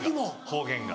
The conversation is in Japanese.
方言が。